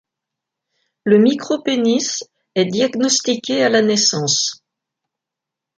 Le micropénis est diagnostiqué à la naissance.